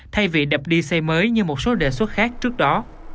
thay vì đập đi xây mới như một số đề xuất khác trước đó